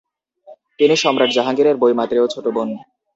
তিনি সম্রাট জাহাঙ্গীরের বৈমাত্রেয় ছোট বোন।